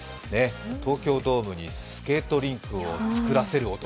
東京ドームにスケートリンクを造らせる男。